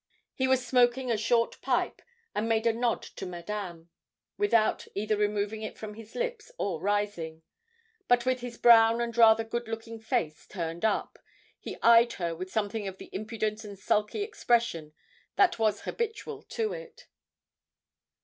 He was smoking a short pipe, and made a nod to Madame, without either removing it from his lips or rising, but with his brown and rather good looking face turned up, he eyed her with something of the impudent and sulky expression that was habitual to it.